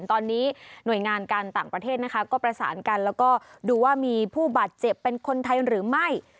ตอนนี้หน่วยงานการต่างประเทศนะคะก็ประสานกันแล้วก็ดูว่ามีผู้บาดเจ็บเป็นคนไทยหรือไม่